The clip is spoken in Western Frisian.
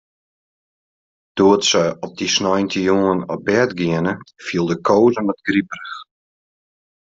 Doe't se op dy sneintejûn op bêd giene, fielde Koos him wat griperich.